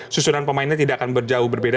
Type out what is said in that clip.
susunan pemainnya tidak akan berjauh berbeda